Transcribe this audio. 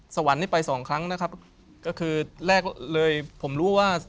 สวรรค์นี้ไปสองครั้งนะครับก็คือแรกเลยผมรู้ว่า